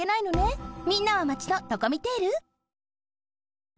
みんなはマチのドコミテール？